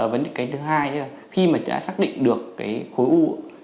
vấn đề cái thứ hai là khi mà đã xác định được cái khối u